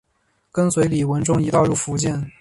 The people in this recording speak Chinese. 跟随李文忠一道入福建。